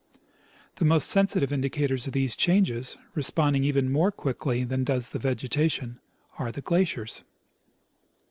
The most sensi tive indicators of these changes, responding even more quickly than does the vegetation, are the glaciers.